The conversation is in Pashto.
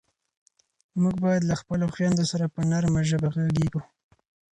موږ باید له خپلو خویندو سره په نرمه ژبه غږېږو.